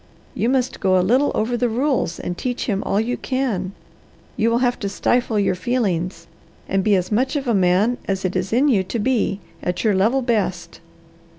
You must go a little over the rules, and teach him all you can. You will have to stifle your feelings, and be as much of a man as it is in you to be, at your level best."